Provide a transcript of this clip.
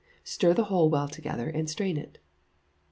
Stir the whole well together, and strain it.